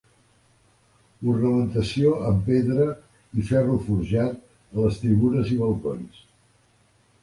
Ornamentació amb pedra i ferro forjat a les tribunes i balcons.